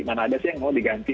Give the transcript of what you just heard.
mana ada sih yang mau diganti